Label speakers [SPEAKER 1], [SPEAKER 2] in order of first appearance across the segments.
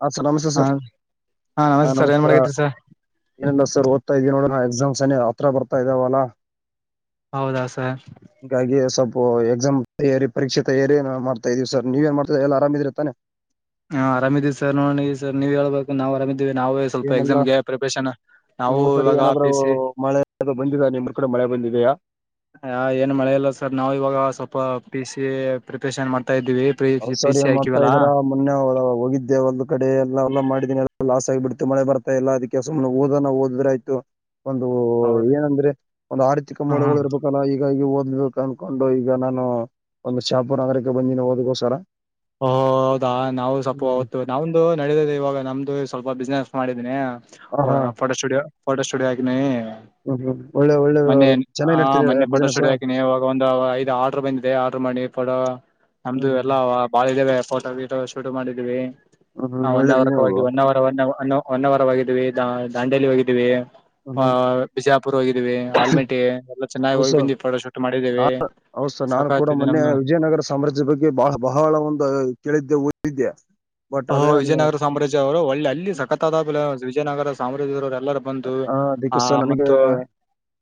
[SPEAKER 1] ಹಾ ಸರ್ ನಮಸ್ತೆ
[SPEAKER 2] ಹಾ
[SPEAKER 1] ಸರ್ ಹಾ
[SPEAKER 2] ನಮಸ್ತೆ ಸರ್ ಏನ್
[SPEAKER 1] ನಮಸ್ಕಾರ
[SPEAKER 2] ಮಾಡಕತ್ರಿ ಸರ್
[SPEAKER 1] ಏನಲ್ಲ ಸರ್ ಓದ್ತಾ ಇದೀ ನೋಡ ಗ್ ಸನ ಹತ್ರ ಬರ್ತಾ ಇದಾವಲ್ಲ
[SPEAKER 2] ಹೌದಾ ಸರ್
[SPEAKER 1] ಹಿಂಗಾಗಿ ಸ್ವಲ್ಪ ಎಕ್ಸಾಮ್ ತಯಾರಿ ಪರಕ್ಷೆ ತಯಾರಿ ಮಾಡ್ತಾ ಇದೀವಿ ಸರ್ ನೀವ ಏನ್ ಮಾಡ್ತಾ ಎಲ್ಲ ಆರಾಮ ಇದಿದಿರ್ ತಾನೆ
[SPEAKER 2] ಹಾ್ರಾಮಿದೀ ಸರ್ ನೋಡ ಸರ್ ನೀವ್ ಹೇಳ್ಬೇಕು ನಾವ್ ಆರಾಮಿದೀವಿ ನಾವು ಸ್ವಲ್ಪ
[SPEAKER 1] ಏನೆಲ್ಲ
[SPEAKER 2] ಎಕ್ಸಾಮ್ಗೆ ಪ್ರಿಪರೇಷನ್ ನಾವು
[SPEAKER 1] ನಿಮ್ಮ್ ಊರ್ ಕಡೆ
[SPEAKER 2] ಇವಾಗ
[SPEAKER 1] ಏನಾದ್ರೂ
[SPEAKER 2] ಪಿ ಸಿ
[SPEAKER 1] ಮಳೆ ಬಂದಿದ ನಿಮ್ಮ್ರ್ ಕಡೆ ಮೆ ಬಂದಿದೆಯಾ
[SPEAKER 2] ಹ ಏನ್ ಮಳೆ ಇಲ್ಲ ಸರ್ ನಾವ್ ಇವಾಗ ಸ್ವಲ್ಪ ಪಿ ಸಿ ಪ್ರಿಪರೇಷನ್ ಮಾಡ್ತ
[SPEAKER 1] ಹ ಸರ್ ಏನ್ ಮಾಡ್ತಾ ಇದಾರಾ ಮೊನ್ನೆ ಹೋಗಿದ್ದೆ ಒಂದು ಕಡೆ ಎಲ್ಲ ಎಲ್ಲ ಮಾಡಿದೀನಿ ಲಾಸ್ ಆಗ್ಬ ಬಿಡ್ತು ಮಳೆ ಬರ್ತಾ ಇಲ್ಲ ಅದಕ್ಕೆ ಸುಮನೆ ಓದನ ಓದ್ರೆ ಆ್ತು ಒಂದು
[SPEAKER 2] ಹೌದ
[SPEAKER 1] ಏನಂದ್ರೆ ಒಂದು ಆರ್ಥಿಕ
[SPEAKER 2] ಹ ಹ
[SPEAKER 1] ಮೂಲಗಳು ಇರಬೇಕಲ್ಲ ಹೀಗಾಗಿ ಅಂದ್ಕೊಂಡು ಈಗ ನಾನು ಒಂದು ಶಾಪುರ್ ನಗರಕ್ಕೆ ಬಂದಿನಿ ಓದ್ಗೋಸರ
[SPEAKER 2] ಓಹ ಹೌದಾ ನಾವು ಸ್ವಲ್ಪ ಹೊತ್ತು ನಮ್ದು ನಡದ ಇವಾಗ ನಮ್ದು ಸ್ವಲ್ಪ ಬಿಸ್ನೆಸ್ ಮಾಡಿದಿನನಿ
[SPEAKER 1] ಹಾ ಹಾ
[SPEAKER 2] ಫೋಟೋ ಸ್ಟುಡಿಯೋ ಫೋಟೋ ಸ್ಟುಡಿಯೋ ಆಗಿದನಿ
[SPEAKER 1] ಹ್ಮ್ ಹ್ಮ್ ಒಳ್ಳೆ ಒಳ್ಳೆ
[SPEAKER 2] ಮೊನ್ನೆ ಹ
[SPEAKER 1] ಚೆನ್ನಾಗಿ ನಡ್ತಿದೆ
[SPEAKER 2] ಮೊನ್ನೆ ಫೋಟೋ
[SPEAKER 1] ಬಿಸ್ನೆಸ್
[SPEAKER 2] ಸೋಡೆ ಹಾಕನಿ ಇವಾಗ ಒಂದು ಐದು್ ಆರ್ಡರ್ ಬಂದಿದೆ ಆರ್ಡ್ರ ಮಾಡಿ ಪಡ [unintelligible] ನಮ್ದು
[SPEAKER 1] ಹ್ಮ್ ಹ್ಮ್
[SPEAKER 2] ಎಲ್ಲಾ ಬಾಳ ಇದಾವವೆ ಫೋಟೋ ವೀಟೋ ಶೂಟ್ ಮಾಡಿದ್ವಿ
[SPEAKER 1] ಹ್ಮ್ ಹ್ಮ್
[SPEAKER 2] ಹ
[SPEAKER 1] ಒಳ್ಳೆ
[SPEAKER 2] ಹೊನ್ನಾವರ
[SPEAKER 1] ಬಿಸ್
[SPEAKER 2] ಹೊ ನ್ನಾವರ ಹೋಗಿದ್ವಿ ದಾಂಡೇಲಿ ಹೋಗಿದ್ದೀವಿ
[SPEAKER 1] ಹ್ಮ್ ಹ್ಮ್
[SPEAKER 2] ಆಹ ಬಿಜಾಪುರ್ ಹೋಗಿದ್ದೀವಿ ಆಲ್ಮೇಟಿ ಎಲ್ಲ ಚೆನ್ನಾಗಿ ಹೋಗಿ ಬಂದ್ವಿ ಫೋಟೋ ಶೂಟ್ ಮಾಡಿದ್ದೀವಿ
[SPEAKER 1] ಹೌ ಸರ್ ನಾನು ಕೂಡ ಮೊನ್ನೆ ವಿಜಯನಗರ ಸಾಮ್ರಾಜ್ಯ ಬಗ್ಗೆ ಬಹಳ ಬಹಳ ಒಂದು ಕೇಳಿದ್ದೆ ಹೋಧಿದ್ದೆ
[SPEAKER 2] ಹ ವಿಜಯನಗರ ಸಾಮ್ರಾಜ್ಯ ಅವರು ಒಳ್ಳೆ ಅಲ್ಲಿ ಸಖತಾದ ವಿಜಯನಗರ ಸಾಮ್ರಾಜ್ಯದ ಎಲ್ಲರ ಬಂದು
[SPEAKER 1] ಅದಕ್ಕೆ
[SPEAKER 2] ಆ
[SPEAKER 1] ಸರ್ ನನಗೆ
[SPEAKER 2] ಮತ್ತು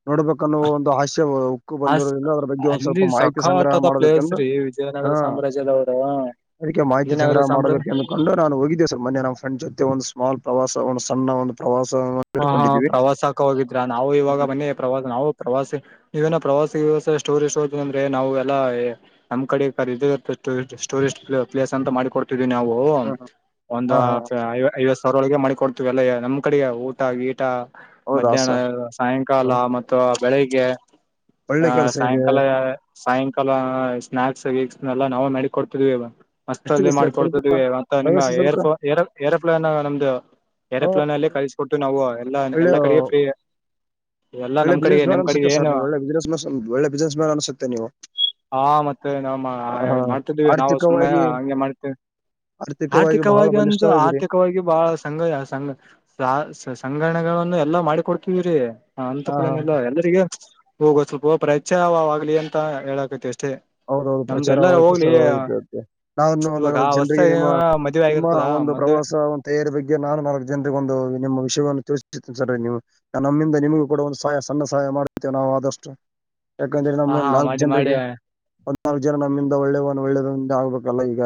[SPEAKER 1] ನೋಡ್ಬೇಕನ್ನೋ ಒಂದು ಹಾಸ್ಯ ಉಕ್ಕು
[SPEAKER 2] ಆ
[SPEAKER 1] ಬಂದಿರೋದ್ರಿಂದ ಅದ್ರ ಬಗ್ಗೆ ಒಂದ್ ಸ್ವಲ್ಪ ಮಾಹಿತಿ ಸಂಗ್ರಹ ಮಾಡ್ಬೇಕೆಂದು
[SPEAKER 2] ವಿಜಯ್ ನಗರ ಸಾಮ್ರಾಜ್ಯದ ಅವರು
[SPEAKER 1] ಅದಕ್ಕೆ ಮಾಹಿತಿ ಸಂಗ್ರಹ ಮಾಡಬೇಕು ಅ ಕಂಡು ನಾನು ಹೋಗಿದ್ದೆ ಸರ್ ಮೆ ನಮ್ಮ ಫ್ರೆಂಡ್ ಜೊತೆ ಒಂದು ಸ್ಮಾಲ್ ಪ್ರವಾಸ ಒಂದು ಸಣ್ಣ ಒಂದು ಪ್ರವಾಸ
[SPEAKER 2] ಹಾ ಹಾ
[SPEAKER 1] ಇಟ್ಕೊಂಡಿದ್ದೀವಿ
[SPEAKER 2] ಪ್ರವಾಸಕ್ಕೆ ಹೋಗಿದ್ರ ನಾವು ಇವಾಗ
[SPEAKER 1] ಹ್ಮ್.
[SPEAKER 2] ಮನ್ನೆ ಪ್ರವಾಸ ನಾವು ಪ್ರವಾಸಿ ಇವೇನ ಪ್ರವಾಸಿ ವ್ಯವ ಟೂರಿಸ್ ಹೋದ ಅಂದ್ರೆ ನಾವು ಎಲ್ಲ ನಮ್ಮ ಕಡೆ ಕತ್ತ ಟೂರಿಸ್ಟ್ ಪ್ಲೇಸ್ ಅಂತ ಮಾಡ ಕೊಡ್ತ ನಾವು
[SPEAKER 1] ಹಾ
[SPEAKER 2] ಒಂದ
[SPEAKER 1] ಹಾ ಹಾ, ಹಾ.
[SPEAKER 2] ಐವತ್ ಸಾವಿರ ಒಳಗೆ ಮಾಡಿ ಕೊಡ್ತೀವಿ ಎಲ್ಲ ನಮ್ಮ್ ಕಡೆ ಊಟ ಗೀಟ
[SPEAKER 1] ಹೌದಾ
[SPEAKER 2] ಮಧ್ಯಾಹ್ನ
[SPEAKER 1] ಸರ್ ಹಾ.
[SPEAKER 2] ಸಾಯಂಕಾಲ ಮತ್ತು ಬೆಳಿಗ್ಗೆ
[SPEAKER 1] ಒಳ್ಳೆ
[SPEAKER 2] ಆ
[SPEAKER 1] ಕೆಲಸ ಇದೆ
[SPEAKER 2] ಸಾಯಂಕಾಲ ಸಾಯಂಕಾಲ ಸ್ನಾಯಕ್ಸ್ ಏಲ್ಲ ನಾವೇ ಮಾಡಿ ಕೊಡ್ತಿದ್ವಿ ಇವ ಮಸ್ತ ಅಲ್ಲಿ
[SPEAKER 1] ಎಷ್ಟಿದೆ ಸರ್ ಶುಲ್ಕ
[SPEAKER 2] ಮಾಡಿಕೊಡ್ತಿದ್ವಿ ಮ ನಿಮ್ಮ
[SPEAKER 1] ಪ್ರವೇಶ ಶುಲ್ಕ
[SPEAKER 2] ಏರೋಪ್ಲೇನ್ ಏೋ ಏರೋಪ್ಲೇನ್ ನಮ್ದು ಎರೆ
[SPEAKER 1] ಹಾ
[SPEAKER 2] ಪ್ಲನ್ ಅಲ್ಲೇ ಕಳಿಸಿಕೊಟ್ಟು ನಾವು ಎಲ್ಲಾ
[SPEAKER 1] ಒಳ್ಳೆ
[SPEAKER 2] ಎಲ್ಲ ಕಡೆಗ ಫ್ರೀ ಎಲ್ಲಾ
[SPEAKER 1] ಒಳ್ಳೆ
[SPEAKER 2] ನಮ್ ಕಡೆಗೆ
[SPEAKER 1] ಬಿಸ್ೆಸ್ ಮ್ಯಾನ್
[SPEAKER 2] ನಿಮ್ ಕಡೆಗೆ ಏನು
[SPEAKER 1] ಅನ್ಿಸುತ್ತೆರ್ ಒಳ್ಳೆ ಬಿಸ್ಸ್ ಮ ಒಳ್ಳೆ ಬಿಸ್ನೆಸ್ ಮ್ಯಾನ್ ಅನ್ಿಸುತ್ತೆ ನೀವು
[SPEAKER 2] ಹಾ ಮತ್ತೆ ನಾವು
[SPEAKER 1] ಹಾ ಹಾ
[SPEAKER 2] ಮಾಡ್ತಿದೀವಿ ನಾವು ಸುಮ್ಮನೆ
[SPEAKER 1] ಆರ್ಥಿಕವಾಗಿ
[SPEAKER 2] ಹಂಗೆ ಮಾಡ್ತೇವಿ
[SPEAKER 1] ಬಹಳ
[SPEAKER 2] ಆರ್ಥಿಕವಾಗಿ ಅಂತ
[SPEAKER 1] ಬಲಿಷ್ಠವಾಗಿರಿ
[SPEAKER 2] ಆರ್ಥಿಕವಾಗಿ ಬಹಳ ಸಂಗ ಸಂಗ ಸಂಗ್ರಣೆಗಳನ್ನು ಎಲ್ಲಾ ಮಾಡಿ ಕ ಕೊಡ್ತಿವರಿ ಅಂತ
[SPEAKER 1] ಹಾ ಹಾ
[SPEAKER 2] ದೇನು ಇಲ್ಲ ಎಲ್ಲರಿಗ ಹೋಗೋ ಸ್ವಲ್ಪ ಪ್ರಚಾರವಾಗ್ಲಿ ಅಂತ ಹೇಳಕತಿ ಅಷ್ಟ
[SPEAKER 1] ಅವರು ಪ್ರಚಾರವಾಗುತ್ತ ನಾವನ್ನು
[SPEAKER 2] ಇವಾಗ
[SPEAKER 1] ಒ ಜನರಿಗೆ
[SPEAKER 2] ಹೊಸ್ತಾಗಿ
[SPEAKER 1] ನಿಮ್ಮ
[SPEAKER 2] ಮದ್ವೆ
[SPEAKER 1] ನಿಮ್ಮ
[SPEAKER 2] ಆಗಿರ್ತದ
[SPEAKER 1] ಆ ಒಂದು
[SPEAKER 2] ಮದ್ವೆ
[SPEAKER 1] ಪ್ರವಾಸ ಒಂದು ತಯಾರಿ ಬಗ್ಗೆ ನಾನು ನಾಲ್ಕು ಜನರಿಗೆ ಒಂದು ನಿಮ್ಮ ವಿಷಯವನ್ನು ತಿೇ ಸರಿ ನೀವು ನಮ್ಮಿಂದ ನಿಮಗೂ ಕೂಡ ಒಂದು ಸಹಾಯ ಸಣ್ಣ ಸಹಾಯ ಮಾಡುತ್ತೇವೆ ನಾವು ಆದಷ್ಟು ಯಾಕಂದ್ರೆ
[SPEAKER 2] ಹ
[SPEAKER 1] ನಮ್ಮ್
[SPEAKER 2] ಹಾ
[SPEAKER 1] ನಾಲ್ಕ್
[SPEAKER 2] ಮಾಡಿ ಮಾಡಿ
[SPEAKER 1] ಜನರಿಗೆ ಒದ್ನಾಲ್ ಜನ ನಮ್ಮಿಂದ ಒಳ್ಳೆವನ್ ಒಳ್ಳೇದಂದ ಆಗ್ಬೇಕಲ್ಲ ಈಗ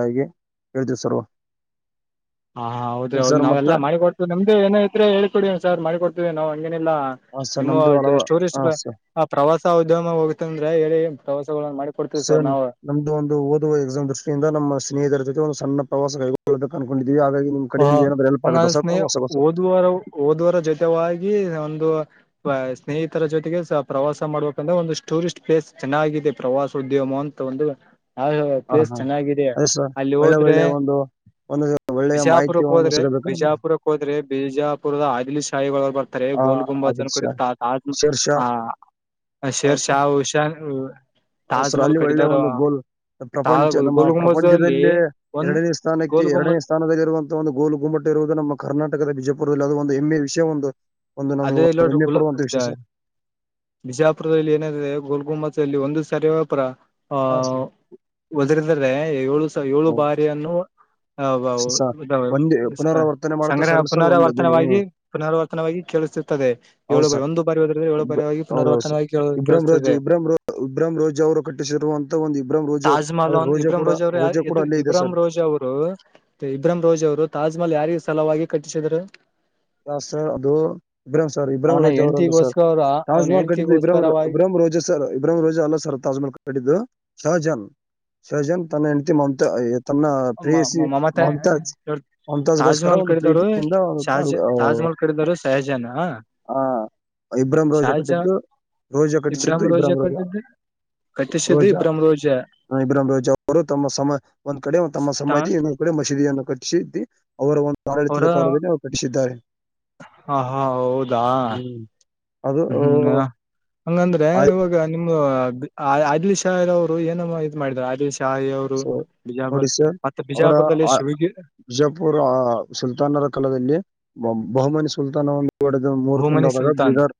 [SPEAKER 1] ಹೇಳ್ತೀವಿ ಸರ್ವ
[SPEAKER 2] ಹಾ ಹೌದ್ರ ಹೌದು ನಾವೆಲ್ಲ ಮಾಡಿ ಕೊಡ್ತವಿ ನಮ್ದ ಏನ ಇದತ್ ಹ ಹೇಳಳ್ಿಡಿ ಸ ಮಾಡಿ ಕೊಡ್ತವಿ ನವು ಹಂಗೇ ಇಲ್ಲ
[SPEAKER 1] ಸರ್
[SPEAKER 2] ನಿಮ್ಮ
[SPEAKER 1] ನಮ್ದು ಹಲವು
[SPEAKER 2] ಟೂರಿಸ್ಟ್
[SPEAKER 1] ಹಾ ಸರ್
[SPEAKER 2] ಪ್ರವಾಸ ಉದ್ಯಮ ಹೋಗುತ್ತ ಅಂದ್ರೆ ಹೇಳಿ ಪ್ರವಾಸ
[SPEAKER 1] ಸ ನಮ್ದು ಒಂದು ಓದುವ ಎಕ್ಸಾಮ್ ದೃಷ್ಟಿಯಿಂದ ನಮ್ಮ ಸ್ನೇಹಿತರ ಜೊತೆ ಒಂದು ಸಣ್ಣ ಪ್ರವಾಸ ಕೈಗೊಳ್ಳದ ಕನ್ಕೊಂಡು
[SPEAKER 2] ಹ ಹಂಗ ಸ್ನೇಹ
[SPEAKER 1] ಪ್ರವಾಸಗಳು
[SPEAKER 2] ಓ
[SPEAKER 1] ಸರ್
[SPEAKER 2] ದ್ವಾರ ಓದ್ವಾರ ಜತ ವ ಆ ಒಂದು ಸ್ನೇಹಿತರ ಜೊತೆಗೆ ಪ್ರವಾಸ ಮಾಡ್ಬೇಕಂದ್ರೆ ಒಂದು ಟೂರಿಸ್ಟ್ ಪ್ಲೇಸ್ ಚೆನ್ನಾಗಿ ಪ್ರವಾಸೋದ್ಯಮ ಅಂತ ಒಂದು ಹ
[SPEAKER 1] ಹಾ
[SPEAKER 2] ಪ್ಲೇಸ್
[SPEAKER 1] ಹಾ
[SPEAKER 2] ಚೆನ್ನಾಗಿದೆ
[SPEAKER 1] ಅದೇ ಸರ್
[SPEAKER 2] ಅಲ್ಲಿ
[SPEAKER 1] ಒಳ್ಳೆ
[SPEAKER 2] ಹೋದ್ರೆ
[SPEAKER 1] ಒಳ್ಳೆ ಒಂದು ಒಂದು ಒಳ್ಳೆಯ
[SPEAKER 2] ಬಿಜಾಪುರಕ್ಕೆ
[SPEAKER 1] ಮಾಹಿತಿಯನ್ನು
[SPEAKER 2] ಹೋದ್ರೆ
[SPEAKER 1] ಸಿಗಬೇಕು ನಮ್ಗೆ.
[SPEAKER 2] ಬಿಜಾಪುರಕ್ಕೆ ಹೋದ್ರೆ ಬಿಜಾಪುರದ ಆದದಿಲಿ ಶಹಿಗಳು ಬರ್ತಾರೆ
[SPEAKER 1] ಆ
[SPEAKER 2] ಗೋಲ್ ಗುಂಬಾನ
[SPEAKER 1] ಆಗಿದೆ
[SPEAKER 2] ಕುಡ
[SPEAKER 1] ಸರ್ ಶೀರ್ಷ
[SPEAKER 2] ಆ [unintelligible] ಹ ಶೇರ್ ಶಾ ಉಷಾ
[SPEAKER 1] ಅವಸರ ಅಲ್ಲಿ ಒಳ್ಳೆ ಒಂದು ಗೋಲ್
[SPEAKER 2] ತಾ
[SPEAKER 1] ಪ್ರಪಂಚ ನಮ್ಮ
[SPEAKER 2] ಗೋಲ್ ಗುಂಬಜ್ ಅಲ್ಲಿ
[SPEAKER 1] ಪ್ರಪಂಚದಲ್ಲೇ
[SPEAKER 2] ಒಂದ್
[SPEAKER 1] ಎರಡನೇ ಸ್ಥಾನಕ್ಕೆ
[SPEAKER 2] ಗೋಲ್
[SPEAKER 1] ಎರಡನೇ
[SPEAKER 2] ಗುಂಬಜ್
[SPEAKER 1] ಸ್ಥಾನದಲ್ಲಿ ಇರುವಂತಹ ಒಂದು ಗೋಲು ಗುಂಬಟಟ್ಟ ಇರುವುದು ನಮ್ಮ ಕರ್ನಾಟಕದ ಬಿಜಾಪುರದಲ್ಲಿ ಅದು ಒಂದು ಹೆಮ್ಮೆ ವಿಷಯ ಒಂದು [unintelligible] ನಮಗೆ
[SPEAKER 2] ಅದೇ ಇಲ್ಲ ನೋಡ್ರ
[SPEAKER 1] ಹೆಮ್ಮೆ
[SPEAKER 2] ಗುಲ
[SPEAKER 1] ಪಡುವಂತ ವಿಷಯ ಸರ್
[SPEAKER 2] ಬಿಜಾಪುರದಲ್ಲಿ ಏನ ಗೋ [unintelligible] ಗುಮ್ಮತಲ್ಲಿ ಒಂದು ಸರಿಪರ ಆ
[SPEAKER 1] ಹಾ
[SPEAKER 2] ಒದರಿದರೆ ಏಳು [unintelligible] ಸ ಏಳು
[SPEAKER 1] ಸರ್
[SPEAKER 2] ಬಾರಿ ಅನ್ನು ಹ
[SPEAKER 1] ಸ ಸ ಒಂದೇ ಪುನರಾವರ್ತನೆ ಮಾಡ್ತಾ
[SPEAKER 2] ಸಂಗ್ರಹಣ
[SPEAKER 1] ಸರ್ ಸರ್ ಒಂದೇ ಧ್ವನಿ
[SPEAKER 2] ಪುನರಾವರ್ತನವಾಗಿ ಪುನರ್ವರ್ತನವಾಗಿ ಕೇಳಿಸತಿರ್ತದೆ
[SPEAKER 1] ಹೌದು
[SPEAKER 2] ಏಳು ಬಾರಿ
[SPEAKER 1] ಸರ್
[SPEAKER 2] ಒಂದು ಬಾರಿ ಹೋದ್ರೆ ಏಳು ಬಾರಿ
[SPEAKER 1] ಹೌದೌದು ಸರ್
[SPEAKER 2] ಪುನರ್ವರ್ತನವಾಗಿ
[SPEAKER 1] ಇಬ್ರಾಹಿಂ ರೋಜ
[SPEAKER 2] ಕೇಳಿಸ್ತದೆ.
[SPEAKER 1] ಇಬ್ರಾಹಿಂ ರೋ ಇಬ್ರಾಹಿಂ ರೋಜ ಅವರು ಕಟ್ಟಿಸಿರುವಂತ ಒಂದು ಇಬ್ರಾಹಿಂ ರೋಜ ಅದ್ರ
[SPEAKER 2] ತಾಜ್ಮಹಲ್ನ್ ಇಬ್ರಾಹಂ
[SPEAKER 1] ಕೂಡ
[SPEAKER 2] ರೋಜಾ ಅವರು-
[SPEAKER 1] ಕೂಡ
[SPEAKER 2] ಯ-
[SPEAKER 1] ಅಲ್ಲೇ ಇದೆ
[SPEAKER 2] ಇಬ್ರಾಹಂ
[SPEAKER 1] ಸರ್
[SPEAKER 2] ರೋಜಾ ಅವ್ರು. ಇಬ್ರಾಹಂ ರೋಜ್ ಅವರು ತಾಜ್ಮಹಲ್ ಯಾರಿಗೆ ಸಲವಾಗಿ ಕಟ್ಟಿಸಿದರು.
[SPEAKER 1] ಯಾ -ಸರ್ ಅದು ಇಬ್ರಾಹಂ ಸರ್ ಇಬ್ರಾಹಿಂ
[SPEAKER 2] ಅವನ
[SPEAKER 1] ರೋಜ್ ಅವರಲ್ಲ ಸರ್.
[SPEAKER 2] ಹೆಂಡತಿಗೋಸ್ಕರ ಅವನ
[SPEAKER 1] ತಾಜ್ಮಹಲ್ ಕಟ್ಟಿದ್ದು ಇಬ್ರಾಂ
[SPEAKER 2] ಹೆಂಡತಿಗೋಸ್ಕರವಾಗಿ
[SPEAKER 1] ಇಬ್ರಾಹಂ ರೋಜೆ ಸರ್ ಇಬ್ರಾಹಿಂ ರೋಜೆ ಅಲ್ಲ ಸರ್ ತಾಜ್ಮಹಲ್ ಕಟ್ಟಿದ್ದು ಶಹಜಾನ್. ಸಜನ್ ತನ್ನ ಹೆಂಡ್ತಿ ಮಮತ. ತನ್ನ
[SPEAKER 2] ಮ-
[SPEAKER 1] ಪ್ರಿಯಯಿಸಿ
[SPEAKER 2] ಮ- ಮಮತಾ
[SPEAKER 1] ಮಮ್ತಾಜ್
[SPEAKER 2] ಇವ್ರು ತಾಜ್
[SPEAKER 1] ಮಮತಾಜ್ಗೋಸ್ಕರ
[SPEAKER 2] ಮಹಲ್
[SPEAKER 1] ಒಂದು
[SPEAKER 2] ಕಟ್ಟಿದವರು
[SPEAKER 1] ಪ್ರೀತಿಯಿಂದ-
[SPEAKER 2] ತಾಜ್
[SPEAKER 1] ತಾಲ್-
[SPEAKER 2] ತಾಜ್ಮಹಲ್ ಕಟ್ಟಿರುದು ಸಹಜಾನ -ಅ-
[SPEAKER 1] ಹಾ -ಇಬ್ರಾಹಂ ರೋಜಾ ಕಟ್ಟಿದ್ದು ರೋಜಾ ಕಟ್ಟಿಸಿದ್ದು
[SPEAKER 2] ಇಬ್ರಾಹಿಂ
[SPEAKER 1] ಇಬ್ರಾಹಂ ರೋಜಾ.
[SPEAKER 2] ಕಟ್ಟಿದ್ದು ಕಟ್ಟಿಸಿದ್ದು
[SPEAKER 1] ರೋಜಾ
[SPEAKER 2] ಇಬ್ರಾಹಿಂ ರೋಜಾ
[SPEAKER 1] ಇಬ್ರಾಮ ರೋಜಾ ಅವರು ತಮ್ಮ ಸಮ ಒಂದ್ ಕಡೆ. ತಮ್ಮ
[SPEAKER 2] ತಾ-
[SPEAKER 1] ಸಮಾದಿ ಇನ್ನೊಂದು ಕಡೆ ಮಸೀದಿಯನ್ನು ಕಟ್ಟಿಸಿ ಅವರ ಒಂದು ಆಡಳಿತದ
[SPEAKER 2] ಅವರ
[SPEAKER 1] ಕಾಲದಲ್ಲಿ ಅವರು ಕಟ್ಟಿಸಿದ್ದಾರೆ.
[SPEAKER 2] ಹ- ಹಾ -ಹೌದಾ
[SPEAKER 1] ಅದು
[SPEAKER 2] ಹ್ಮ್- ಹಂಗಂದ್ರೆ ಇವಾಗ- ನಿ- ಆದಿಲ್ ಶಾವರು ಏನಮ್ಮ ಇದ್ ಮಾಡಿದ್ದಾರೆ ಆದಿಲ್. ಶಾಯಿ ಅವರು
[SPEAKER 1] ಸೊ
[SPEAKER 2] ಬಿಜಾಪುರ
[SPEAKER 1] ನೋಡಿ
[SPEAKER 2] ಮತ್ತೆ ಬಿಜಾಪುರದಲ್ಲಿ.
[SPEAKER 1] ವಿಜಯಪುರ ಸುಲ್ತಾನರ ಕಾಲದಲ್ಲಿ. ಬಹುಮನಿ ಸುಲ್ತಾನವನ್ನು ಹೊಡೆದ ಮೂರ್ತ
[SPEAKER 2] ಬಹುಮನಿ
[SPEAKER 1] ಉಂಡಾದಾಗ
[SPEAKER 2] ಸುಲ್ತಾನ್
[SPEAKER 1] ಬೀದರ್-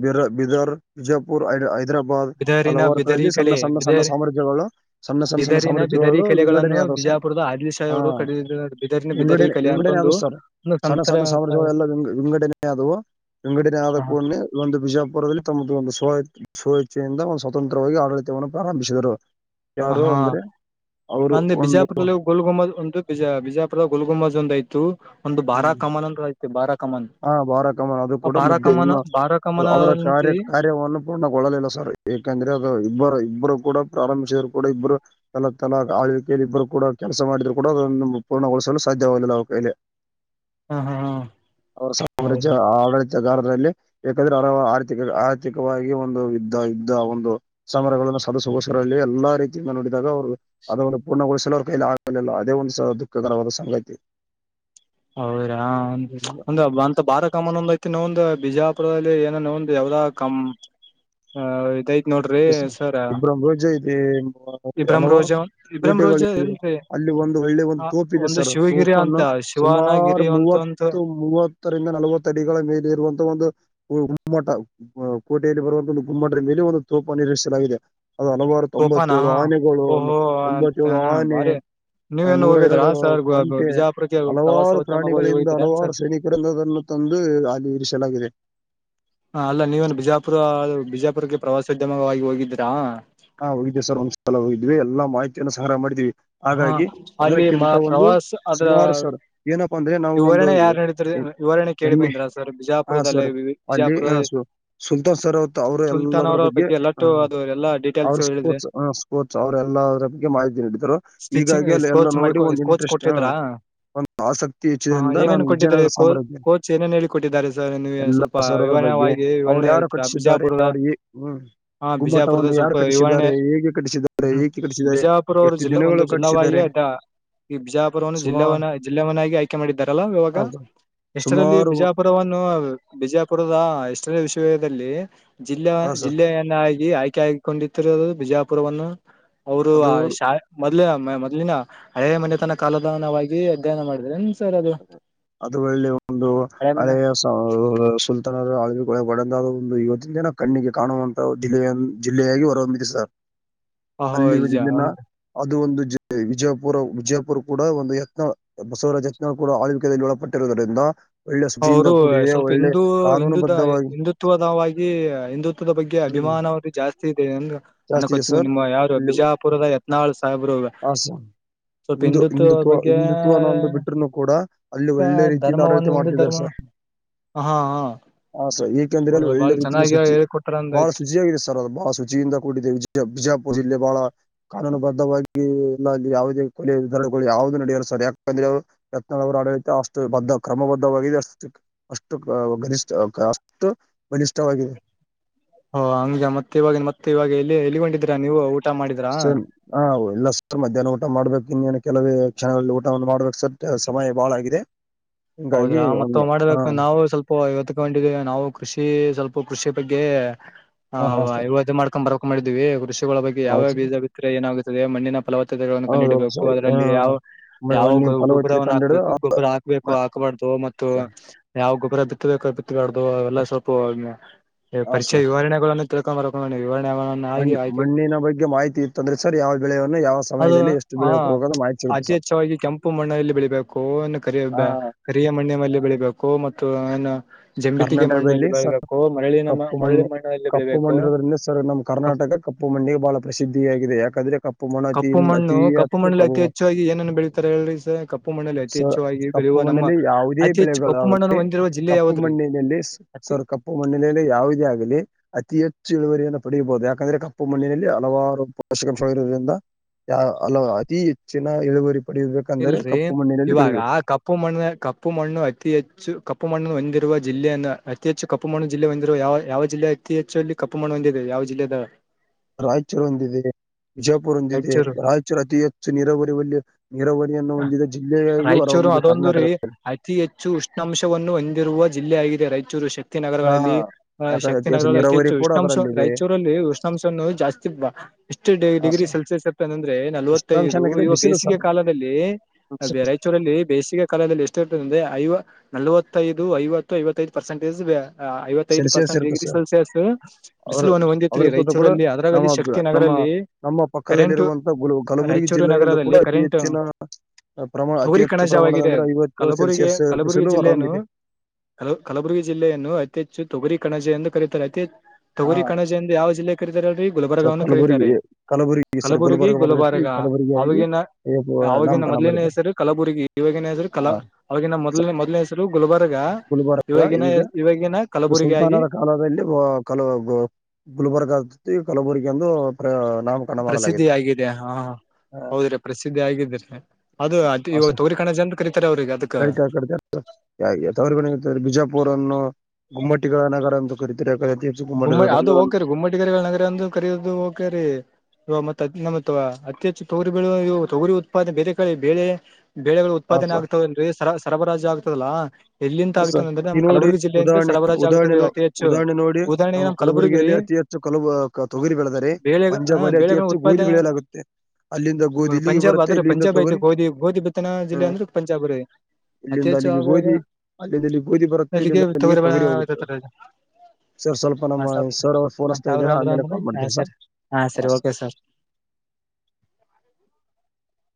[SPEAKER 1] ಬ -. ವಿಜಯಪುರ್ ಹೈದರಾಬಾದ್
[SPEAKER 2] ಬಿದರಿನ
[SPEAKER 1] ಹಲವಾರು
[SPEAKER 2] ಬಿದರಿ
[SPEAKER 1] ಕಡೆಗಳಲ್ಲಿ ಸಣ್ಣ
[SPEAKER 2] ಕಲೆ
[SPEAKER 1] ಸಣ್ಣ ಸಣ್ಣ
[SPEAKER 2] ಬಿದರಿ
[SPEAKER 1] ಸಾಮ್ರಾಜ್ಯಗಳು. ಸಣ್ಣ ಸಣ್ಣ
[SPEAKER 2] ಬಿದರಿನ ಬಿದರಿ
[SPEAKER 1] ಸಾಮ್ರಾಜ್ಯಗಳು ವಿಂಗಡನೆ
[SPEAKER 2] ಕಲೆಗಳನ್ನು
[SPEAKER 1] ಆದ- ಸ
[SPEAKER 2] ಬಿಜಾಪುರದ ಆದಿಲ್ ಶಾಹಿ
[SPEAKER 1] ಹ
[SPEAKER 2] ಅವರು ಕಡ ಬಿದರಿನ ಬಿದರಿ
[SPEAKER 1] -ವಿಂಗಡನೆ
[SPEAKER 2] ಕಲೆ ಅಂತ
[SPEAKER 1] ವಿಂಗಡನೆ
[SPEAKER 2] ಒಂದು ಒಂದು
[SPEAKER 1] ಸಣ್ಣ
[SPEAKER 2] ಸಂಸ್ಥರ
[SPEAKER 1] ಸಣ್ಣ ಸಾಮ್ರಾಜ್ಯ ಗಳಲ್ಲ ವಿಂಗಡಣೆ ಆದವು. ವಿಂಗಡಿನೇ ಆದ ಕೂಡಣೆ ಒಂದು ಬಿಜಾಪುರದಲ್ಲಿ ತಮ್ಮ್ದು ಒಂದು ಸ. ಶುವಚ್ಛೆಯಿಂದ ಒಂದು ಸ್ವತಂತ್ರವಾಗಿ ಆಡಳಿತವನ್ನು ಪ್ರಾರಂಭಿಸಿದರು. ಯಾರು
[SPEAKER 2] ಹಾ-
[SPEAKER 1] ಅಂದ್ರೆ ಅವರು
[SPEAKER 2] ಅ -ಬಿಜಾಪುದಲ್ಲಿ ಗೋಲ್ಗೊಮ್ಮ ಬಿಜಾಪು. ಗುಲ್ಗುಂಬಜ್ ಒಂದ ಆಯತು ಒಂದು ಬಾರಾ ಕಾಮನ್ ಅಂತ ಆ ಬಾರ ಕಾಮ. ಕಮನ್
[SPEAKER 1] ಹಾ -ಬಾರ ಕಮನ್ ಅದು ಕೂಡ ಮಧ್ಯ್ಯಾ ಇನ್ನ.
[SPEAKER 2] ಬಾರಾ
[SPEAKER 1] ಅದರ ಕಾರ್ಯ
[SPEAKER 2] ಕಮನ
[SPEAKER 1] ಕಾರ್ಯವನ್ನು ಪೂರ್ಣಗೊಳ್ಳಲಿಲ್ಲ ಸರ್ ಯಾಕಂದ್ರೆ ಅದು ಇಬ್ಬರು ಇಬ್ಬರು ಕೂಡ. ಪ್ರಾರಂಭಿಸಿದ್ರು ಕೂಡ ಇಬ್ಬರು ತಲ ತಲಾ ಆಳ್ವೀಕೆಯಲ್ಲಿ ಇಬ್ಬರು ಕೂಡ ಕೆಲಸ ಮಾಡಿದ್ರು ಕೂಡ ಅದನ್ನು ಪೂರ್ಣಗೊಳಿಸಲು ಸಾಧ್ಯ್. ಅಲ ನ [unintelligible]
[SPEAKER 2] ಹಾ -ಹಾ -ಹಾ
[SPEAKER 1] ಅವರು ಸಾಮ್ರಾಜ್ಯ
[SPEAKER 2] ಹೌದಾ
[SPEAKER 1] ಆಡಳಿತ ಗಾರರಲ್ಲಿ ಯಾಕಂದ್ರೆ ಅವ ಆರ್ಥಿಕ ಆರ್ಥಿಕವಾಗಿ ಒಂದು ಯುದ್ದ ಯುದ್ದ ಒಂದು ಸಮರಗಳು. ಸದಸೋಸರಲ್ಲಿ ಎಲ್ಲಾ ರೀತಿಯಿಂದ ನೋಡಿದಾಗ ಅವ್ರು ಅದನ್ನು ಪೂರ್ಣಗೊಳಿಸಲು ಅವ್ರ ಕೈಲಿ ಆಗಲಿಲ್ಲ ಅದೇ ಒಂದು [unintelligible] ರ ಸಂಲತೆ [unintelligible]
[SPEAKER 2] ಹೌದಾ ಒಂದು ಹಬ್ಬ. ಅ -ಬಾರ [unintelligible] ಕಾಮನ್ ಒಂದಐತಿ ನೋಂದು ಬಿಜಾಪುರದಲ್ಲಿ ಏನೋ ನೋಂದು [unintelligible] ಯಾವ್ದ ಕಮ ಹ -ಹೌದಾಯ್ತ
[SPEAKER 1] ಇಬ್ರ ರೋಜೆ ಇ [unintelligible]
[SPEAKER 2] ಇಬ್ರಾಹಿಂ
[SPEAKER 1] ಅವ
[SPEAKER 2] ರೋಜಾ ಇಬ್ರಾಹಿಂ
[SPEAKER 1] ಊಟೆಗಳ
[SPEAKER 2] ರೋಜಾ ಎಲ್ರಿ
[SPEAKER 1] ಅಲ್ಲಿ ಲ್ಲಿ -ಒಂದು ಒಳ್ಳೆ ಒಂದು
[SPEAKER 2] ಆ
[SPEAKER 1] ತೋಪ್ ಇದೆ
[SPEAKER 2] ಒಂದು
[SPEAKER 1] ಸರ್ ತೋಪ
[SPEAKER 2] ಶಿವಗಿರಿ
[SPEAKER 1] ಅನ್ನು
[SPEAKER 2] ಅಂತ
[SPEAKER 1] [unintelligible] ಸುಮಾರು
[SPEAKER 2] ಶಿವನಗಿರಿ ಅಂತ ಒಂದು
[SPEAKER 1] ಮೂವತ್ತು ಮೂವತ್ತರಿಂದ ನಲವತ್ತ ಅಡಿಗಳ ಮೇಲಿ ಇರುವಂತ ಒಂದು, ಗುಮ್ಮಟ ಕೋಟೆಯಲ್ಲಿ ಬರುವಂತಂದು ಗುಮ್ಮಟದ ಮೇಲೆ ಒಂದು ತೋಪ ನಿರ್ವಹಿಸಲಾಗಿದೆ. ಅದು ಹಲವಾರು
[SPEAKER 2] ಸೋಪಾನ
[SPEAKER 1] ತೊಂಬತ್ತೇಳು ಆನೆಗಳು
[SPEAKER 2] ಓಹೋ ಅಂತ
[SPEAKER 1] ತೊಂಬತ್ತೇಳು
[SPEAKER 2] ಹ
[SPEAKER 1] ಆನೆ.
[SPEAKER 2] ಬಾರಿ ನೀವೇನು
[SPEAKER 1] ನೂರ
[SPEAKER 2] ಹೋಗಿದ್ರಾ
[SPEAKER 1] ಎರಡು
[SPEAKER 2] ಸರ್
[SPEAKER 1] ಒಂಟೆ
[SPEAKER 2] ಬಿಜಾಪುರಕ್ಕೆ
[SPEAKER 1] ಹಲವಾರು
[SPEAKER 2] ಪ್ರವಾಸೋದ್ಯಮ
[SPEAKER 1] ಪ್ರಾಣಿಗಳಿಂದ
[SPEAKER 2] ಹೋಗಿದ್ರ
[SPEAKER 1] ಹಲವಾರು
[SPEAKER 2] ಸರ್
[SPEAKER 1] ಸೈನಿಕರಿಂದ ಅದನ್ನು, ತಂದು ರಾಜ್ಯ ಇರಿಸಲಾಗಿದೆ.
[SPEAKER 2] ಹ- ಅಲ್ಲ ನೀವೇನು ಬಿಜಾಪುರ ಬಿಜಾಪುರಕ್ಕೆ ಪ್ರವಾಸೋದ್ಯಮವಾಗಿ ಹೋಗಿದ್ದೀರಾ.
[SPEAKER 1] ಹಾ- ಹೋಗಿದ್ದೆವಿ ಸರ್ ಒಂದ್ ಸಲ ಹೋಗಿದ್ವಿ ಎಲ್ಲ ಮಾಹಿತಿಯನ್ನು ಸಹಾರ ಮಾಡಿದ್ವಿ.
[SPEAKER 2] ಹಾ
[SPEAKER 1] ಹಾಗಾಗಿ
[SPEAKER 2] ಅಲ್ಲಿ ಮ
[SPEAKER 1] ಅದಕ್ಕಿಂತ ಒಂದು
[SPEAKER 2] ಪ್ರವಾಸ ಅದ್ರ
[SPEAKER 1] ಸುಮಾರು ಸರ್ ಏನಪ್ಪ ಅಂದ್ರೆ ನಾವು ಒಂದು,
[SPEAKER 2] ವಿವರಣೆ ಯಾರು ನೀಡಿದ್ರು ವಿವರಣೆ ಕೇಳಿ
[SPEAKER 1] ಎಮ್ಮೆ
[SPEAKER 2] ಬಂದಿರಾ ಸರ್
[SPEAKER 1] -ಹ
[SPEAKER 2] ಬಿಜಾಪುರದಲ್ಲಿ
[SPEAKER 1] -ಸರ್
[SPEAKER 2] ವಿ-
[SPEAKER 1] ಅಲ್ಲಿ
[SPEAKER 2] ಬಿಜಾಪುರ
[SPEAKER 1] ಸುಲ್ತಾನ್ ಸರ್ ಅವತ್ ಅವರು ಎಲ್ಲ,
[SPEAKER 2] ಸುಲ್ತಾನ್ ಅವರ
[SPEAKER 1] ಬಗ್ಗೆ
[SPEAKER 2] ಎಲ್ಲಟ್ಟು ಅದು ಎಲ್ಲಾ
[SPEAKER 1] ಅವ್ರ
[SPEAKER 2] ಡೀಟೇಲ್ಸ್ ಹೇಳಿದ್ರೆ
[SPEAKER 1] ಸ್ಪೋರ್ಟ್ಸ್ ಹ ಸ್ಪೋರ್ಟ್ಸ್ ಅವರು ಎಲ್ಲರ ಬಗ್ಗೆ ಮಾಹಿತಿ ನೀಡಿದ್ದಾರೆ.
[SPEAKER 2] ಸ್ಟಿಚಿಂಗ್
[SPEAKER 1] ಹೀಗಾಗಿ ಅಲ್ಲಿ ಎಲ್ಲಾ
[SPEAKER 2] ಕೋಚ್
[SPEAKER 1] ನೋಡಿ
[SPEAKER 2] ಮಾಡ್ಕೊ
[SPEAKER 1] ಒಂದ್
[SPEAKER 2] ಕೋಚ್
[SPEAKER 1] ಇಂಟ್ರೆಸ್ಟ್ ಹ-
[SPEAKER 2] ಕೊಟ್ಟಿದ್ರಾ
[SPEAKER 1] ಒಂದು ಆಸಕ್ತಿ
[SPEAKER 2] ಹಾ
[SPEAKER 1] ಹೆಚ್ಚಿದ್ರಿಂದ ನಾನು
[SPEAKER 2] ಏನೇನ್ ಕೊಟ್ಟಿದ್ದಾರೆ
[SPEAKER 1] ವಿಜಯನಗರ ಸಾಮ್ರಾಜ್ಯನೆ
[SPEAKER 2] ಕೋಚ್ ಏನೇನ್ ಹೇಳಿ ಕೊಟ್ಟಿದ್ದಾರೆ ಸರ್ ನೀವು ಏನ್
[SPEAKER 1] ಎಲ್ಲಾ
[SPEAKER 2] ಸ್ವಲ್ಪ
[SPEAKER 1] ಸಾವರ. ಬಗ್ಗೆ
[SPEAKER 2] ವಿವರಣವಾಗಿ
[SPEAKER 1] ಅವ್ರು
[SPEAKER 2] ವಿವರಣೆ
[SPEAKER 1] ಯಾರು
[SPEAKER 2] ಹೇಳ್ತೀರಾ
[SPEAKER 1] ಕಟ್ಟಿಸಿದ್ದಾರೆ
[SPEAKER 2] ಬಿಜಾಪುರದ
[SPEAKER 1] ಅವ್ರ ಹ್ಮ್
[SPEAKER 2] ಹಾ ಬಿಜಾಪುರದ
[SPEAKER 1] ಗುಮ್ಮಟವನ್ನು ಯಾರು
[SPEAKER 2] ಸ್ವಲ್ಪ ವಿವಣೆ
[SPEAKER 1] ಕಟ್ಟಿಸಿದ್ದಾರೆ ಹೇಗೆ ಕಟ್ಟಿಸಿದ್ದಾರೆ
[SPEAKER 2] ಹ್ಮ
[SPEAKER 1] ಏಕೆ ಕಟ್ಟಿಸಿದ್ದಾರೆ
[SPEAKER 2] ಬಿಜಾಪುರ ಅವ್ರ
[SPEAKER 1] ಎಷ್ಟು
[SPEAKER 2] ಜಿಲ್ಲಾ ಒಂದು
[SPEAKER 1] ದಿನಗಳು
[SPEAKER 2] ಜಿಲ್ಲಾವಹಿಯ
[SPEAKER 1] ಕಟ್ಟಿಸಿದ್ದಾರೆ
[SPEAKER 2] ಅ ಈ ಬಿಜಾಪುರವನ್ನು
[SPEAKER 1] ಸುಮಾ
[SPEAKER 2] ಜಿಲ್ಲೆವನ ಜಿಲ್ಲೆವನಾಗಿ ಆಯ್ಕೆ ಮಾಡಿದ್ದಾರಲ್ಲ ಇವಾಗ
[SPEAKER 1] ಅದು-
[SPEAKER 2] ಎಷ್ಟರಲ್ಲಿ
[SPEAKER 1] ಸುಮಾರು
[SPEAKER 2] ಬಿಜಾಪುರವನ್ನು ಬಿಜಾಪುರದ ಎಷ್ಟರಲ್ಲಿ ವಿಷಯದಲ್ಲಿ ಜಿಲ್ಲೆಯ
[SPEAKER 1] ಹಾ ಸರ್
[SPEAKER 2] ಜಿಲ್ಲೆಯನ್ನಾಗಿ ಆಯ್ಕೆ ಹಾಕಿಕೊಂಡಿಿರುದು ಬಿಜಾಪುರವನ್ನು ಅವರು
[SPEAKER 1] ಅದು
[SPEAKER 2] ಶಾ ಮೊದಲಿನ ಮ ಮೊದ್ಲಿನ ಹಳೇ ಮನೆತನ ಕಾಲದಾನವಾಗಿ ಅಧ್ಯಯನ ಮಾಡಿದಾರೆನ್ ಸರ್ ಅದು
[SPEAKER 1] ಅದುಳ್ಳಲ್ಲಿ ಒಂದು
[SPEAKER 2] ಹಳೆ ಮನೆ
[SPEAKER 1] ಹಳೆಯ ಸುಲ್ತಾನರು ಹಳ್ ಒಡ ಒಂದು ಇವತ್ತಿನ ಜನ ಕಣ್ಣಿಗೆ ಕಾಣುವಂತ ಜಿಲ್ಲೆಯ ಜಿಲ್ಲೆಯಾಗಿ ಹೊರ ಹೊಂದಿದೆ ಸರ್
[SPEAKER 2] ಓಹೋ
[SPEAKER 1] ಅಲ್ಲಿ ಹದಿದ ದಿನ ಅದು ಒಂದು ವಿಜಯಪುರ ವಿಜಯಪುರ್ ಕೂಡ ಒಂದು ಎತ್ನಾ ಬಸವರಾಜ್ ಕೂಡ ಆಳ್ವಿಕದಲ್ಲಿ ಒಳಪಟ್ಟಿರುವುದರಿಂದ
[SPEAKER 2] ಅವರು ಸ್ವಲ್ಪ ಹಿಂದೂ ಹಂದು ದ
[SPEAKER 1] ಕಾನೂನುಬದ್ಧವಾಗಿ
[SPEAKER 2] ಹಿಂದುತ್ವದವಾಗಿ ಹಿಂದುತ್ವದ ಬಗ್ಗೆ
[SPEAKER 1] ಹ್ಮ್
[SPEAKER 2] ಅಭಿಮಾನ ಜಾಸ್ತಿ ಇದೆ ಅ
[SPEAKER 1] ಜಾಸ್ತಿ ಇದೆ ಸರ್
[SPEAKER 2] ನಿಮ್ಮ ಯಾರು
[SPEAKER 1] ಅಲ್ಲಿ
[SPEAKER 2] ಬಿಜಾಪುರದ ಹತ್ನಾಳ್ು ಸಾಬರುೋಗ
[SPEAKER 1] ಆ ಸ-
[SPEAKER 2] ಸ್ವಲ್ಪ
[SPEAKER 1] ಹಿಂದು
[SPEAKER 2] ಹಿಂದುತ್ವ ಬಗ್ಗೆ
[SPEAKER 1] ಹಿಂದುತ್ವನ ಒಂದು ಬಿಟ್ರು ಕೂಡ ಅಲ್ಲಿ ಒಳ್ಳೆ ರೀತಿಯಿಂದ
[SPEAKER 2] ಧರ್ಮ
[SPEAKER 1] ಆಡಳಿತ
[SPEAKER 2] ಒಂದು ಹಂದುತ್
[SPEAKER 1] ಮಾಡ್ತಿದ್ದಾರೆ ಸರ್
[SPEAKER 2] ಹಾ ಹಾ ಹೌದ
[SPEAKER 1] ಂದ್ರಲ್ಲಿ
[SPEAKER 2] ಬಾಳ
[SPEAKER 1] ಒಳ್ಳೆ ರೀತಿನ
[SPEAKER 2] ಚೆನ್ನಾಗಿ
[SPEAKER 1] ಶುಚಿ
[SPEAKER 2] ಹೇಳ್ಕೊಟ್ರ ಅಂದ
[SPEAKER 1] ಬಹಳ
[SPEAKER 2] ಆಯ್ತು
[SPEAKER 1] ಶುಚಿಯಾಗಿದೆ ಸರ್ ಅದು ಬಹಳ ಶುಚಿಯಿಂದ ಕೂಟ್ಟಿದೆ ಬಿಜಾಪುರ ಜಿಲ್ಲ ಬಹಳ ಕಾನೂನುಬದ್ಧವಾಗಿ ಇಲ್ಲಲ್ಲಿ ಯಾವುೇ ಕೊಲೆ ದರಡು ಯಾವುದು ನಡೆಯರು ಸರ್ ಯಾಕಂದ್ರೆ ಯತ್ನಾಳ್ರು ಆಡಳಿತ ಅಷ್ಟು ಬದ್ದ ಕ್ರಮಬದ ಅಷ್ಟು ಅಷ್ಟು ಗನಷ್ಠ ಅಷ್ಟು ಗನಷ್ಠವಾಗಿದೆ
[SPEAKER 2] ಹಓ ಹಂಗಗ ಮತ್ತೆ ಇವಾಗ ಮತ್ತೆ ಇವಾಗ ಎಲ್ಲಿ ಎಲ್ಲಿಗೊಂಡಿದೀರ ನೀವು ಊಟ ಮಾಡಿದರಾ
[SPEAKER 1] ಇಲ್ಲ ಸರ್ ಮಧ್ಯಾಹ್ನ ಊಟ ಮಾಡ್ಬೇಕು ಇನ್ನೇನು ಕೆಲವೇ ಕ್ಷಣಗಳಲ್ಲಿ ಊಟವನ್ನು ಮಾಡ್ಬೇಕು ಸರ್ ಸಮಯ ಬಾಳಾಗಿದೆ
[SPEAKER 2] ಹೌದ್ರಾ ಮತ್ತ ಮಾಡ್ಬೇಕ ನಾವು ಸ್ವಲ್ಪ ಇವತ್ತು ಗೊಂಡಿದ ನಾವು ಕೃಷಿ ಸ್ವಲ್ಪ ಕೃಷಿ ಬಗ್ಗೆ
[SPEAKER 1] ಹಾ ಹಾ
[SPEAKER 2] ಆಹ್
[SPEAKER 1] ಸರ್
[SPEAKER 2] ಇಾದ ಮಾಡ್ಕೊಂಡ್ ಬರ ಮಾಡಿದೀವಿ ಕೃಷಿಗಳ ಬಗ್ಗೆ
[SPEAKER 1] ಹೌದು
[SPEAKER 2] ಯಾವ
[SPEAKER 1] ಸರ್
[SPEAKER 2] ಬೀಜಭಿಿಕ್ರ ಏನಾಗುತ್ತದೆ ಮಣ್ಣಿನ ಫಲ
[SPEAKER 1] ಹೌದೌದು
[SPEAKER 2] ಕಿಡಬೇಕು
[SPEAKER 1] ಸರ್ ಹ
[SPEAKER 2] ಅದರಲ್ಲಿ ಯಾವ ಯಾವ
[SPEAKER 1] ಮಣ್ಣಿನ ಫಲವತ್ತತೆ
[SPEAKER 2] ಗೊಬ್ಬರವನ್ನು
[SPEAKER 1] ಕಂಡುಹಿಡಿದು
[SPEAKER 2] ಹಾಕ್ಬೇಕು
[SPEAKER 1] ಹಾ
[SPEAKER 2] ಗೊಬ್ಬರ ಹಾಕ್ಬೇಕು ಹಾಕಬಾರ್ದು ಮತ್ತು ಯಾವ ಗೊಬ್ಬರ ಬಿತ್ತಬೇಕು ಬಿತ್ತಬಾರ್ದು ಅವೆಲ್ಲ ಸ್ವಲ್ಪ ಪರಿಚಯ
[SPEAKER 1] ಸರ್
[SPEAKER 2] ವಿವಹರಣೆಗಳನ್ನು ತಿಳ್ಕೊಂಡ್ರಕೋಣ ನೀವು
[SPEAKER 1] ಮಣ್ಣ ಮಣ್ಣಿನ ಬಗ್ಗೆ ಮಾಹಿತಿ ಇತ್ತಂದ್ರೆ ಸರ್ ಯಾವ ಬೆಳೆಯನ್ನ ಯಾವ
[SPEAKER 2] ಅದು
[SPEAKER 1] ಸಮಯದಲ್ಲಿ ಎಷ್ಟು ಬೆಳೆ
[SPEAKER 2] ಹ
[SPEAKER 1] ಹೋಗ
[SPEAKER 2] ಅತಿ ಹೆಚ್ಚವಾಗಿ ಕೆಂಪು ಮಣ್ಣಲ್ಲಿ ಬೆಳಿಬೇಕುನ್ನು ಕರಿಬ
[SPEAKER 1] ಆ
[SPEAKER 2] ಹರಿಯ ಮಣ್ಣ ಮೇಲೆ ಬೆಳಿಬೇಕು ಮತ್ತು ನನು ಜಂಬತಿಿಗೆ ಮಣ್ಣಲ್ಲಿ
[SPEAKER 1] ಕರ್ನಾಟಕದಲ್ಲಿ ಸರ್
[SPEAKER 2] ಬೆಳಬೇಕು ಮರಳಿನ
[SPEAKER 1] ಕಪ್ಪು
[SPEAKER 2] ಮರಳಿನ
[SPEAKER 1] ಮಣ್ಣು
[SPEAKER 2] ಮಣ್ಣಲ್ಲಿ ಬೆಳಬೇಕು
[SPEAKER 1] ಗ ಕಪ್ಪು ಮಂಡಿಗೆ ಬಹಳ ಪ್ರಸಿದ್ಧಿಯಾಗಿದೆ ಯಾಕಂದ್ರೆ ಕಪ್ಪು ಮಣ್ಣು ಅತಿ
[SPEAKER 2] ಕಪ್ಪು ಮಣ್ಣು
[SPEAKER 1] ಅತಿ
[SPEAKER 2] ಕಪ್ಪು
[SPEAKER 1] ಹೆಚ್ಚು
[SPEAKER 2] ಮಣ್ಣಲ್ಲಿ ಅತಿ
[SPEAKER 1] ಮಣ್ಣು
[SPEAKER 2] ಹೆಚ್ಚಾಗಿ ಏನನು ಬೆಳೀತಾರೆ ಹೇಳ್ರಿ ಸರ್ ಕಪ್ಪು ಮಣ್ಣಲ್ಲಿ ಅತಿ
[SPEAKER 1] ಸರ್
[SPEAKER 2] ಹೆಚ್ಚವಾಗಿ
[SPEAKER 1] ಕಪ್ಪು
[SPEAKER 2] ಬೆಳುವ ನಮ್ಮ
[SPEAKER 1] ಮಣ್ಣಲ್ಲಿ ಯಾವುದೇ
[SPEAKER 2] ಅತಿ ಹೆಚ್ಚು ಕಪ್ಪು
[SPEAKER 1] ಬೆಳೆಗಳಾಗಲಿ
[SPEAKER 2] ಮಣ್ಣನ್ನು ಹೊಂದಿರುವ ಜಿಲ್ಲೆಯ
[SPEAKER 1] ಕಪ್ಪು ಮಣ್ಣಲ್ಲಿ ಸ್ವರ್ ಕಪ್ಪು ಮಣ್ಣೆಯಲ್ಲಿ ಯಾವುದೇ ಆಗಲಿ ಅತಿ ಹೆಚ್ಚು ಚ್ಚಿಳುವರಿಯನ್ನು ಪಡೆಯಬಹುದು ಯಾಕಂದ್ರೆ ಕಪ್ಪು ಮಣ್ಣಿನಲ್ಲಿ ಹಲಾರು ಪೋಷಕಶದ್ರಿಂದ ಯ ಅಲ್ಲ ಅತಿೀ ಹೆಚ್ಚಿನ ಇಳುವರಿ ಪಡೆಯಬೇಕೆಂದರೆ
[SPEAKER 2] ಇಲ್ರರಿ
[SPEAKER 1] ಕಪ್ಪು ಮಣ್ಣಿನಲ್ಲಿ
[SPEAKER 2] ಇವಾಗ
[SPEAKER 1] ಬೆಳಿಬೇಕು
[SPEAKER 2] ಕಪ್ಪು ಮಣ್ಣು ಕಪ್ಪು ಮಣ್ಣು ಅತಿ ಹೆಚ್ಚು ಕಪ್ಪು ಮಣ್ಣನ್ನು ಒಂದ ಜಿಲ್ಲೆಯನ್ನ ಅತಿ ಹೆಚ್ಚು ಕಪ್ಪು ಮಣು ಜಿಲ್ಲೆ ಹೊಂದಿರುವ ಯಾವ ಯಾವ ಜಿಲ್ಲೆ ಅತಿ ಹೆಚ್ಚು ಅಲ್ಲಿ ಕಪ್ಪು ಮಣ್ಣು ಹೊಂದಿದೆ ಯಾವ ಜಿಲ್ಲೆದ
[SPEAKER 1] ರಾಯಚೂರು ಒಂದಿದೆ ವಿಜಯಪುರ್ ಒಂದಿದೆ ರಾಯಚೂರು ಅತಿ ಹೆಚ್ಚು ನೀರಾವರಿಲ್ಲಿಯ ನೀರಾವರಿ ಹೊಂದಿದ ಜಿಲ್ಲೆಯಾಗಿ
[SPEAKER 2] ರಾಯಚೂರು
[SPEAKER 1] ಹೊರಹೊಮ್ಮಿದೆ
[SPEAKER 2] ಅದೊಂದು ರೀ
[SPEAKER 1] ಕರ್ನಾಟಕ
[SPEAKER 2] ಅತಿ ಹೆಚ್ಚು ಉಷ್ಣಾಂಶವನ್ನು ಹೊಂದಿರುವ ಜಿಲ್ಲೆ ಿದೆ ರಾಯಚೂರು ಶಕ್ತಿ ಶಕ್ತಿ
[SPEAKER 1] ಆ
[SPEAKER 2] ನಗರಗಳಲ್ಲಿ
[SPEAKER 1] ಯಾಕಂದ್ರೆ
[SPEAKER 2] ಶಕ್ತಿ ನಗರದಲ್ಲಿ ಅತಿ
[SPEAKER 1] ನೀರಾವರಿ
[SPEAKER 2] ಹೆಚ್ಚು
[SPEAKER 1] ಕೂಡ
[SPEAKER 2] ಉಷ್ಣಾಂಶ
[SPEAKER 1] ಅದರಲ್ಲಿದೆ
[SPEAKER 2] ರಾಯಚೂರಲ್ಲಿ ಉಷ್ಣಾಂಶವನ್ನು ಜಾಸ್ತಿ ಎಷ್ಟು
[SPEAKER 1] ಆ,
[SPEAKER 2] ಡಿಗ್ರಿ
[SPEAKER 1] ಸರ್
[SPEAKER 2] ಸೆಲ್ಸಿಯಸ್ ಅಪ್ಪ ಅಂದ್ರೆ
[SPEAKER 1] ಉಷ್ಣಾಂಶ
[SPEAKER 2] ನಲವತ್ತೈದು
[SPEAKER 1] ಅನ್ನೋಕ್ಕಿಂತ
[SPEAKER 2] ಇವ
[SPEAKER 1] ಬಿಸಿಲು
[SPEAKER 2] ಬೇಸಿಗೆ
[SPEAKER 1] ಸರ್
[SPEAKER 2] ಕಾಲದಲ್ಲಿ ರಾಯಚೂರಲ್ಲಿ ಬೇಸಿಗೆ ಕಾಲದಲ್ಲಿ ಎಷ್ಟ ೆ ಐವ ನಲವತ್ತೈದು ಐವತ್ತು ಐವತ್ತೈದು ಪರ್ಸೆಂಟೇಜ್ ಅ ಐವತ್ತೈದು
[SPEAKER 1] ಸೆಲ್ಸಿಯಸ್
[SPEAKER 2] ಪರ್ಸೆಂಟ್
[SPEAKER 1] ಇರುತ್ತೆ
[SPEAKER 2] ಡಿಗ್ರಿ
[SPEAKER 1] ಸರ್
[SPEAKER 2] ಸೆಲ್ಸಿಯಸ್
[SPEAKER 1] ಅದರ
[SPEAKER 2] ಬಿಸಿಲುವನ್ನು ಹೊಂದಿತ್ ರರಿ
[SPEAKER 1] ಅದಕ್ಕಿಂತ ಕೂಡ
[SPEAKER 2] ರಾಯಚೂರಲ್ಲಿ ಅದ್ರಾಗ
[SPEAKER 1] ನಮ್ಮ
[SPEAKER 2] ಅಲ್ಲಿ ಶಕ್ತಿ
[SPEAKER 1] ನಮ್ಮ
[SPEAKER 2] ನಗರಲ್ಲಿ
[SPEAKER 1] ನಮ್ಮ
[SPEAKER 2] ಕರೆಂಟ
[SPEAKER 1] ಪಕ್ಕದಲ್ಲಿರುವಂತ ಗುಲ್- ಕಲಬುರಗಿ
[SPEAKER 2] ರಾಯಚೂರು
[SPEAKER 1] ಜಿಲ್ಲೆಯಲ್ಲೂ ಕೂಡ
[SPEAKER 2] ನಗರದಲ್ಲಿ
[SPEAKER 1] ಅತಿ
[SPEAKER 2] ಕರೆಂಟ್.
[SPEAKER 1] ಹೆಚ್ಚಿನ ಪ್ರಮಾಣ ಅತಿ
[SPEAKER 2] ತುರಿ
[SPEAKER 1] ಹೆಚ್ಚು ಪ್ರಮಾಣದ
[SPEAKER 2] ಕಣಜವಾಗಿದೆ
[SPEAKER 1] ಅಂದ್ರೆ ಐವತ್ತೇಳು
[SPEAKER 2] ಕಲಬುರಗಿ
[SPEAKER 1] ಸೆಲ್ಸಿಯಸ್
[SPEAKER 2] ಕಲಬುರಗಿ
[SPEAKER 1] ಬಿಸಿಲು ಹೊರಹೊಮ್ಮಿದೆ
[SPEAKER 2] ಜಿಲ್ಲೆಯನು- ಲ- ಕಲಬುರಗಿ ಜಿಲ್ಲೆಯನ್ನು ಅತಿ ಹೆಚ್ಚು- ತೊಗರಿ ಕಣಜ ಎಂದು ಕರತಾರೆ ಐತಿ
[SPEAKER 1] ಆ
[SPEAKER 2] ತೊಗರಿ ಕಣಜೆ ಎಂದು ಯಾವ ಜಿಲ್ಲೆಗೆ- ರ
[SPEAKER 1] ಸೊ
[SPEAKER 2] -ಗುಲಬರ್ಗವನ್ನು
[SPEAKER 1] ಕಲಬುರಗಿ
[SPEAKER 2] ಕರೀತಾರೆ
[SPEAKER 1] ಕಲಬುರಗಿ ಸರ್
[SPEAKER 2] ಕಲಬುರಗಿ
[SPEAKER 1] ಗುಲ್ಬರ್ಗ ಮೊದಲೆತ್ತಿ
[SPEAKER 2] ಗುಲಬರ್ಗ
[SPEAKER 1] ಕಲಬುರಗಿಯಾಗಿ
[SPEAKER 2] ಅವಗನ
[SPEAKER 1] ಈ ಬ-
[SPEAKER 2] ಅವವಾಗಿಗನ
[SPEAKER 1] ನಾಮಕರಣ
[SPEAKER 2] ಮೊದಲನೇ
[SPEAKER 1] ಮಾಡಿದೆ
[SPEAKER 2] ಹೆಸರು ಕಲಬುಗಿ ಇವವಾಗಿನ ಹೆಸರು
[SPEAKER 1] ಆ,
[SPEAKER 2] ಕಲಾ ಅವವಾಗಿ ಮೊದಲನ ಮೊದಲ ಹೆಸರು ಗುಲ್ಬಾರ.
[SPEAKER 1] ಹಲ್ ಬರಾಗ ಈಗ. ಅದು
[SPEAKER 2] ಕಲಬುರಗಿಯಾಗಿ
[SPEAKER 1] ಸುಲ್ತಾನದ ಕಾಲದಲ್ಲಿ ಕಲ ಗುಲ್ಬರ್ಗ ಆಗ್ತತಿ ಕಲಬುರ್ಗಿ. ಎಂದು ಪ್ರ ನಾಮಕರಣ
[SPEAKER 2] ಪ್ರಸಿದ್ಧಿ
[SPEAKER 1] ಮಾಡಲಾಗಿದೆ
[SPEAKER 2] ಆಗಿದೆ ಹಾ
[SPEAKER 1] ಆ,
[SPEAKER 2] ಹೌದ್ರಿ ಪ್ರಸಿದ್ಧಿ ಆಗಿದ್ರಿ ಅದು. ಇವ ತಗರಿ ಕಾಣ ಜ ಅಂತ. ಅವ್ರಿಗೆ ಅದಕ್ಕ
[SPEAKER 1] ಕಡಿತಾ ಕಿತ ಯಥವ್ರ ಗ ಬಿಜಾಪುರನ್ನು ಗುಮ್ಮಟ್ಟಿಗಳ ನಗರ ಆರರ [unintelligible]
[SPEAKER 2] ಗುಮ್ಮ ಅದು ಹೋಗಕ್ಯರಿ ಗುಮ್ಮಟಿಗರಿಗಳ ನಗರ ಅಂದು ಕರೆಯೋದು ಹೋಗಕೇರಿ ಮತ್ತತ್ ನ- ಅಥವಾ ಅತಿ ಹೆಚ್ಚು ತೊಗರಿ ಬೆಳೆ ಇ ತೊಗರಿ ಉತ್ಪಾದನೆ ಬೇರೆ ಕಡೆ ಬೇಳೆ. ಬಳೆಗಳು ಉತ್ಪಾದನೆ ಆಗ್ತದೆನ್ ರ್ರೀ ಸರ ಸರಬರಾಜು ಆಗ್ತದಲ್ಲಾ. ಎಲ್ಲಿಂತ ಆಗ್ತ ಅಂದ್ರೆ
[SPEAKER 1] ಈ
[SPEAKER 2] ನಮ್ಮ
[SPEAKER 1] ನೋಡಿ
[SPEAKER 2] ಕಲಬುಗ ಜಿಲ್ಲೆಯಿಂದ
[SPEAKER 1] ಉದಾಹರಣೆ
[SPEAKER 2] ಸರಬಾಜ
[SPEAKER 1] ಉದಾಹರಣೆ
[SPEAKER 2] ಆಗ್ತದೆ
[SPEAKER 1] ನೋ-
[SPEAKER 2] ಅತಿ ಹೆಚ್ಚು.
[SPEAKER 1] ಉದಾಹರಣೆ ನೋಡಿ
[SPEAKER 2] ಉದಾಹರಣೆಗೆ
[SPEAKER 1] ನಮ್ಮ
[SPEAKER 2] ನಮ್ ಕಲಬುರಗಿ ರೀ
[SPEAKER 1] ಕಲಬುರಗಿಯಲ್ಲಿ ಅತಿ ಹೆಚ್ಚು ಕಲಬ ತೊಗರಿ ಬೆಳೆದರೆ
[SPEAKER 2] ಬೇಳೆ ಹ
[SPEAKER 1] ಪಂಜಾಬ್ ಅಲ್ಲಿ ಅತಿ
[SPEAKER 2] ಬೆಳೆಗಳ
[SPEAKER 1] ಹೆಚ್ಚು ಗೋ್ದಿ
[SPEAKER 2] ಉತ್ಪಾದನೆ
[SPEAKER 1] ಬೆಳೆಯಲಾಗುತ್ತೆ. ಅಲ್ಲಿಂದ ಗೋಧಿ ಇಲ್ಲಿಗೆ
[SPEAKER 2] ಪಂಜಾಬ್
[SPEAKER 1] ಬರುತ್ತೆ
[SPEAKER 2] ಆದ್ರ
[SPEAKER 1] ಇಲ್ಲಿಂದ
[SPEAKER 2] ಪಂಜಾಬ್ ಆಯ್ತು
[SPEAKER 1] ತೊಗರಿ
[SPEAKER 2] ಗೋಧಿ ಗೋಧಿಬತ್ತನ
[SPEAKER 1] ಆ,
[SPEAKER 2] ಜಿಲ್ಲೆ ಅಂದ್ರೆ ಪಂಜಾಬ್ ರ್ರೀ.
[SPEAKER 1] ಇಲ್ಲಿಂದ ಅಲ್ಲಿಗೆ ಗೋಧಿ ಅಲ್ಲಿಂದ ಇಲ್ಲಿಗೆ ಗೋಧಿ ಬರುತ್ತೆ ಇಲ್ಲಿಂದ ಅಲ್ಲಿಗೆ ತೊಗರಿ ಹೋಗುತ್ತೆ. ಸರ್ ಸ್ವಲ್ಪ ನಮ್ಮ ಸರ್ ಅವ್ರು ಫೋನ್ ಹ್ತಾ
[SPEAKER 2] ಸಾವಿರ
[SPEAKER 1] ಇದ್ದೀರ
[SPEAKER 2] ಅಂದ್ರ
[SPEAKER 1] ಆಮೇಲೆ
[SPEAKER 2] ಅಂದ್ರೆ
[SPEAKER 1] ಕಾಲ್ ಮಾಡ್ತೀವಿ ಸರ್.
[SPEAKER 2] ಅ [unintelligible]